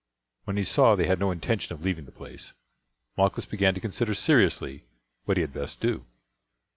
When he saw they had no intention of leaving the place, Malchus began to consider seriously what he had best do.